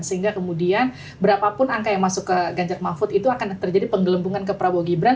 sehingga kemudian berapapun angka yang masuk ke ganjar mahfud itu akan terjadi penggelembungan ke prabowo gibran